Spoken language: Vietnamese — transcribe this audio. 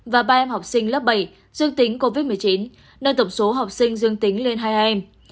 và ba em học sinh lớp bảy dương tính covid một mươi chín nâng tổng số học sinh dương tính lên hai em